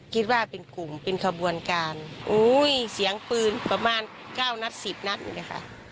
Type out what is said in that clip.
คิดว่าเป็นกลุ่มเป็นขบวนการอุ้ยเสียงปืนประมาณเก้านัดสิบนัดเลยค่ะ